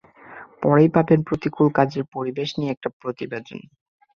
পরেই পাবেন, প্রতিকূল কাজের পরিবেশ নিয়ে একটা প্রতিবেদন।